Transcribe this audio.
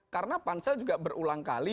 karena pansel juga berulang kali